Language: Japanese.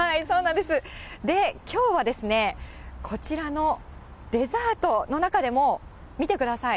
で、きょうはこちらのデザートの中でも、見てください。